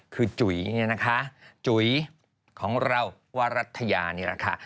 คือจุ๋ยเนี่ยนะคะจุ๋ยของเราว่ารัฐยานี่แหละค่ะ